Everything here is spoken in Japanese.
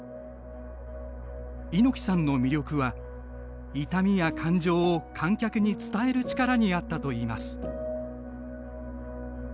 猪木さんの魅力は痛みや感情を観客に伝える力にあったといいます。